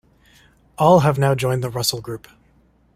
All have now joined the Russell Group.